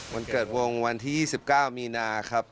วันเกิดวงวันที่๒๙มีนาครับ